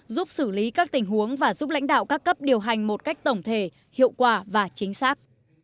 giúp xử lý các tình huống và giúp lãnh đạo các cấp điều hành một cách tổng thể hiệu quả và chính xác